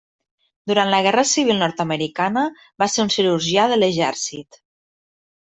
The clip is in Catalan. Durant la Guerra Civil Nord-americana va ser un cirurgià de l'exèrcit.